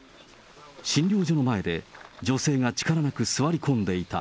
診療所の前で、女性が力なく座り込んでいた。